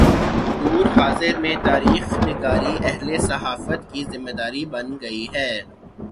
دور حاضر میں تاریخ نگاری اہل صحافت کی ذمہ داری بن گئی ہے۔